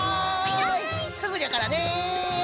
すぐじゃからね。